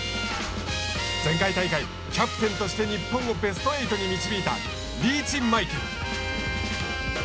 前回大会、キャプテンとして日本をベスト８に導いたリーチマイケル。